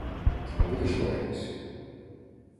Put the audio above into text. Ти не будеш лаятись?